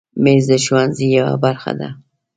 مېز د ښوونځي یوه برخه ده.